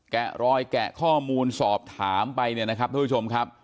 แกะรอยแกะข้อมูลสอบถามไปเนี่ยนะครับทุกผู้ชมครับ